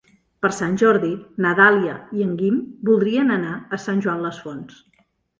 Per Sant Jordi na Dàlia i en Guim voldrien anar a Sant Joan les Fonts.